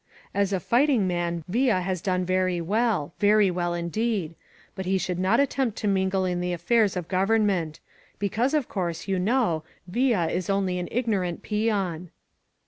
"As a fighting man Villa has done very well — ^very well, indeed. But he should not attempt to mingle in the affairs of Government; because, of course, you know, Villa is only an ignorant peon."